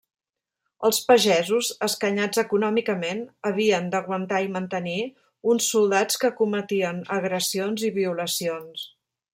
Els pagesos, escanyats econòmicament, havien d'aguantar i mantenir uns soldats que cometien agressions i violacions.